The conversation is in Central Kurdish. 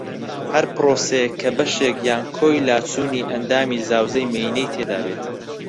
ھەر پرۆسەیەک کە بەشێک یان کۆی لاچوونی ئەندامی زاوزێی مێینەی تێدا بێت